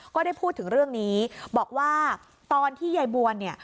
ก็ได้พูดถึงเรื่องนี้บอกว่าตอนที่ยายบวนเนี่ย